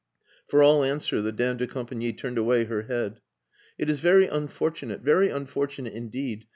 For all answer the dame de compagnie turned away her head. "It is very unfortunate very unfortunate indeed.